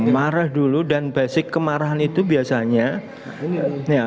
marah dulu dan basic kemarahan itu biasanya